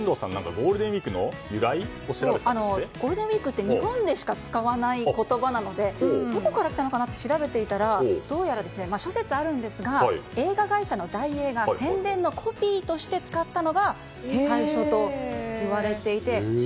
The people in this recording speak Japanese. ゴールデンウィークの由来をゴールデンウィークって日本でしか使わない言葉なのでどこから来たのかなと調べていたらどうやら諸説あるんですが映画会社の大映が宣伝のコピーとして使ったのが最初といわれていて。